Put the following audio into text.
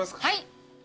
はい。